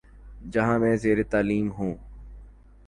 جہاں میں زیرتعلیم ہوں